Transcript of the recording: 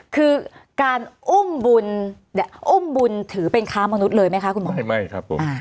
คือการอุ้มบุญอุ้มบุญถือเป็นค้ามนุษย์เลยไหมคะคุณหมอไม่ครับผม